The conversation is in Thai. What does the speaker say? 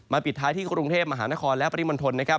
มาปิดท้ายที่กรุงเทพฯมหานครและปริมณฑล